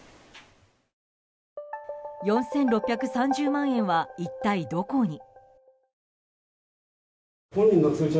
４６３０万円は一体どこに。